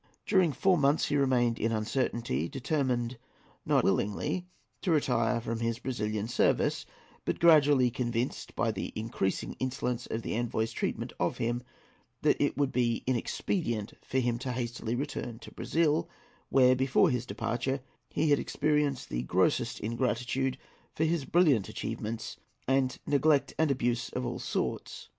During four months he remained in uncertainty, determined not willingly to retire from his Brazilian service, but gradually convinced by the increasing insolence of the envoy's treatment of him that it would be inexpedient for him hastily to return to Brazil, where, before his departure, he had experienced the grossest ingratitude for his brilliant achievements and neglect and abuse of all sorts.